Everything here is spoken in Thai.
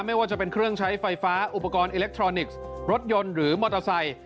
ไม่ว่าจะเป็นเครื่องใช้ไฟฟ้าอุปกรณ์อิเล็กทรอนิกส์รถยนต์หรือมอเตอร์ไซค์